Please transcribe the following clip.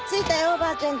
おばあちゃん